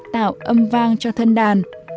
tạo âm vang cho thân đàn